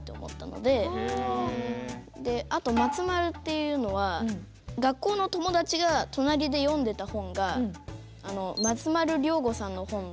であと松丸っていうのは学校の友達が隣で読んでた本が松丸亮吾さんの本で。